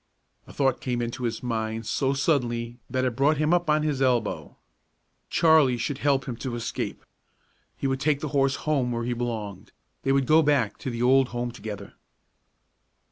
A thought came into his mind so suddenly that it brought him up on his elbow. Charlie should help him to escape! He would take the horse home where he belonged. They would go back to the old home together.